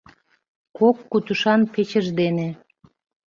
Кок кутышан печыж дене